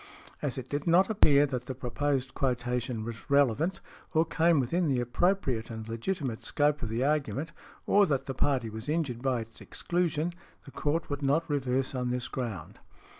As it did not appear that the proposed quotation was relevant or came within the appropriate and legitimate scope of the argument, or that the party was injured by its exclusion, the Court would not reverse on this ground .